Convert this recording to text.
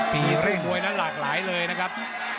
เรื่องมวยนั้นหลากหลายเลยนะครับ